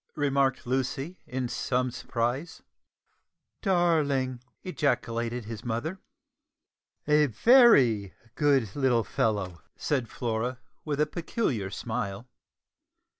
remarked Lucy in some surprise. "Darling!" ejaculated his mother. "A very good little fellow," said Flora, with a peculiar smile.